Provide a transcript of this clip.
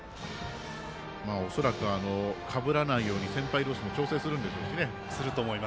恐らくかぶらないように先輩同士も調整するんでしょうしね。